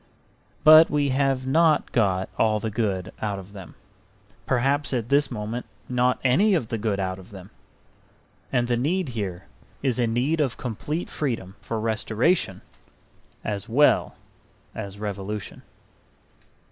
But we have not got all the good out of them, perhaps at this moment not any of the good out of them. And the need here is a need of complete freedom for restoration as well as revolution.